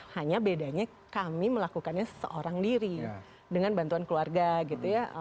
hanya bedanya kami melakukannya seorang diri dengan bantuan keluarga gitu ya